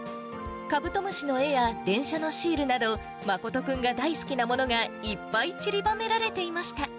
カブトムシの絵や、電車のシールなど、真くんが大好きなものがいっぱいちりばめられていました。